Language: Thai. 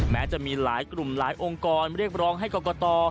แม้จะมีหลายกลุ่มหลายองค์กรเรียกร้องให้กรกต